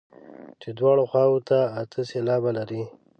چې دواړو خواوو ته اته سېلابه لري.